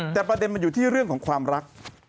แต่ประเด็นมันอยู่ที่เรื่องของความรัก